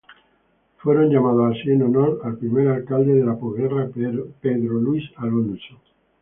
Fueron llamados así en honor al primer alcalde de la postguerra, Pedro Luis Alonso.